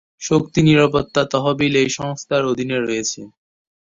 শক্তি নিরাপত্তা তহবিল এই সংস্থার অধীনে রয়েছে।